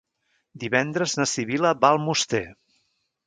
Divendres na Sibil·la va a Almoster.